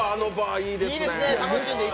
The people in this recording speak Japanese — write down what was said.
いいですね。